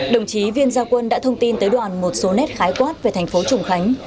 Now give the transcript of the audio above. đồng chí viên gia quân đã thông tin tới đoàn một số nét khái quát về thành phố trùng khánh